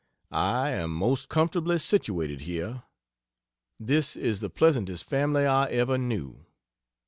I am most comfortably situated here. This is the pleasantest family I ever knew.